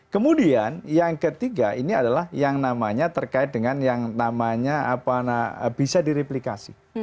kemudian yang ketiga ini adalah yang namanya terkait dengan yang namanya bisa direplikasi